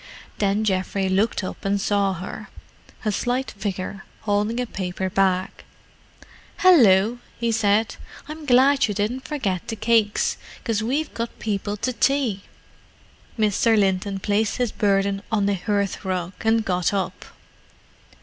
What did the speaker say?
Then Geoffrey looked up and saw her—a slight figure, holding a paper bag. "Hallo!" he said. "I'm glad you didn't forget the cakes, 'cause we've got people to tea!" Mr. Linton placed his burden on the hearthrug, and got up.